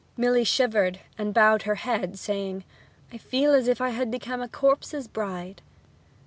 Milly shivered, and bowed her head, saying, 'I feel as if I had become a corpse's bride!'